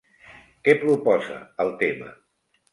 Què proposa el tema?